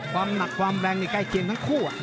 ความหนักความแรงนี่ใกล้เคียงทั้งคู่